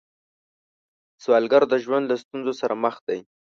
سوالګر د ژوند له ستونزو سره مخ دی